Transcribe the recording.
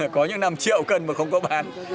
có những năm triệu cân mà không có bán